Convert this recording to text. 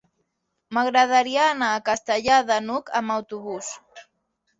M'agradaria anar a Castellar de n'Hug amb autobús.